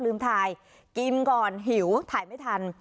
ถ่ายกินก่อนหิวถ่ายไม่ทัน